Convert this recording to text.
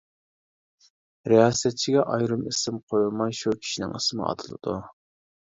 رىياسەتچىگە ئايرىم ئىسىم قويۇلماي، شۇ كىشىنىڭ ئىسمى ئاتىلىدۇ.